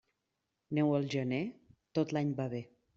Neu al gener, tot l'any va bé.